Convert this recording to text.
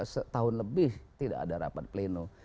setahun lebih tidak ada rapat pleno